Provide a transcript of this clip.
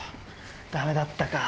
ダメだったか。